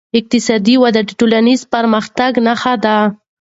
اقتصادي وده د ټولنیز پرمختګ نښه ده.